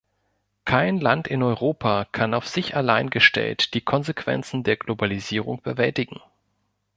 Kein Land in Europa kann auf sich allein gestellt die Konsequenzen der Globalisierung bewältigen.